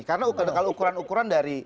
karena kalau ukuran ukuran dari